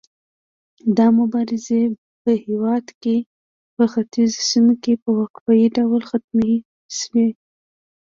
دا مبارزې په هیواد په ختیځو سیمو کې په وقفه يي ډول ختمې شوې.